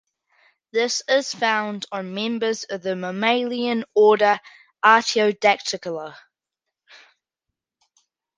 This is found on members of the mammalian order Artiodactyla.